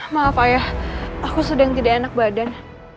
maaf ayah aku sedang tidak enak badan